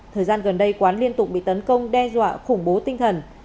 thời gian gần đây quán liên tục bị tấn công đe dọa khủng bố tinh thần